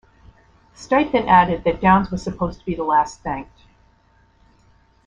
Stipe then added that Downs was supposed to be the last thanked.